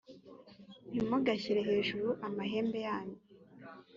ntimugashyire hejuru amahembe yanyu